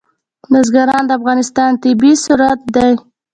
بزګان د افغانستان طبعي ثروت دی.